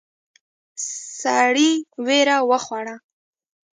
سړی وېره وخوړه.